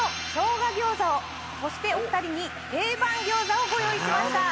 そしてお２人に定番餃子をご用意しました。